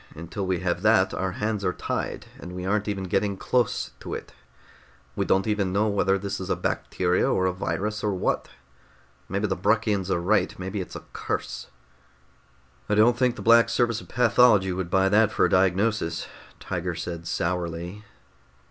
Until we have that, our hands are tied, and we aren't even getting close to it. We don't even know whether this is a bacteria, or a virus, or what. Maybe the Bruckians are right. Maybe it's a curse." "I don't think the Black Service of Pathology would buy that for a diagnosis," Tiger said sourly.